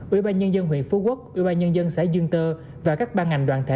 ủy ban nhân dân huyện phú quốc ủy ban nhân dân xã dương tơ và các ban ngành đoàn thể